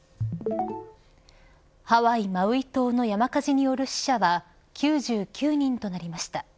ハワイ・マウイ島の山火事による死者は９９人となりました。